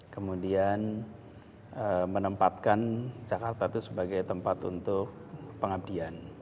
kemudian menempatkan jakarta itu sebagai tempat untuk pengabdian